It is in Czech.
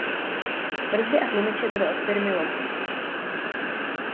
Brzdy a tlumiče byly od firmy Lockheed.